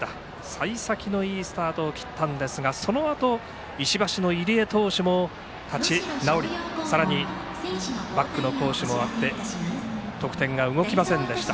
幸先のいいスタートを切ったんですがそのあと石橋の入江投手も立ち直りさらにバックの好守もあって得点が動きませんでした。